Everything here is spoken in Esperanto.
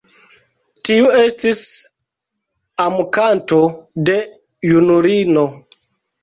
Tiu estis amkanto de junulino.